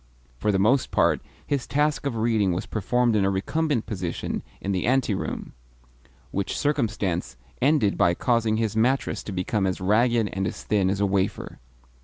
For the most part, his task of reading was performed in a recumbent position in the anteroom; which circumstance ended by causing his mattress to become as ragged and as thin as a wafer.